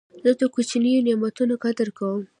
زه د کوچنیو نعمتو قدر کوم.